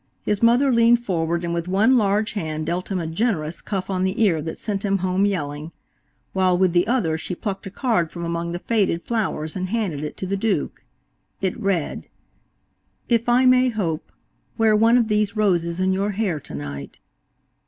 His mother leaned forward and with one large hand dealt him a generous cuff on the ear that sent him home yelling, while with the other she plucked a card from among the faded flowers, and handed it to the Duke. It read: "If I may hope, wear one of these roses in your hair tonight."